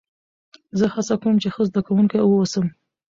زه هڅه کوم، چي ښه زدهکوونکی واوسم.